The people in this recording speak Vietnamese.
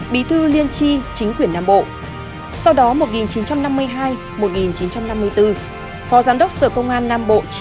bí thư liên tri chính quyền nam bộ sau đó một nghìn chín trăm năm mươi hai một nghìn chín trăm năm mươi bốn phó giám đốc sở công an nam bộ